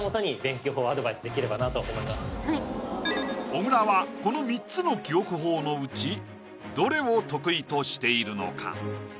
小倉はこの３つの記憶法のうちどれを得意としているのか？